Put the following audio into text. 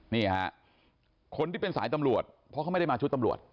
นี่ฮะคนที่เป็นสายตำรวจเพราะเขาไม่ได้มาชุดตำรวจ